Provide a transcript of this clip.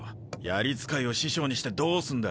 槍使いを師匠にしてどうすんだ？